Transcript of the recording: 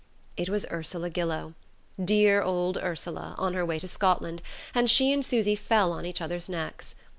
It was Ursula Gillow dear old Ursula, on her way to Scotland and she and Susy fell on each other's necks.